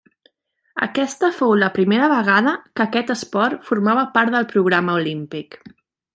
Aquesta fou la primera vegada que aquest esport formava part del programa olímpic.